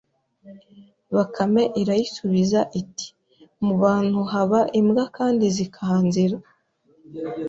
Bakame irayisubiza iti mu bantu haba imbwa kandi zikanzira